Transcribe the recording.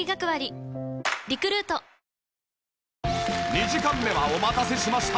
２時間目はお待たせしました